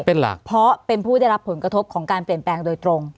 เป็นหลักเพราะเป็นผู้ได้รับผลกระทบของการเปลี่ยนแปลงโดยตรง